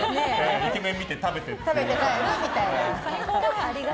イケメン見て、食べてっていう。